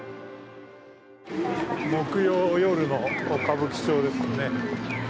木曜夜の歌舞伎町です。